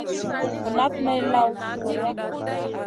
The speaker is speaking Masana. Vu nak ma lawn sui nʼa.